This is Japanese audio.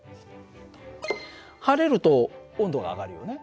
晴れると温度が上がるよね。